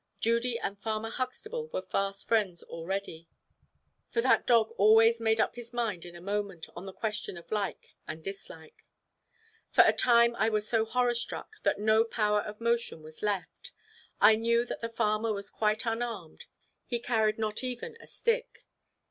Judy and Farmer Huxtable were fast friends already; for that dog always made up his mind in a moment on the question of like and dislike. For a time I was so horror struck, that no power of motion was left. I knew that the farmer was quite unarmed, he carried not even a stick.